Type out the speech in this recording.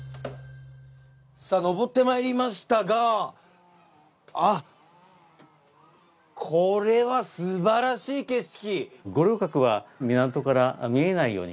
さあ上ってまいりましたがこれは素晴らしい景色。